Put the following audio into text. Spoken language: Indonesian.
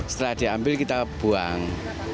setelah diambil kita buang